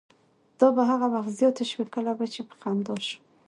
دا به هغه وخت زیاتې شوې کله به چې په خندا شو.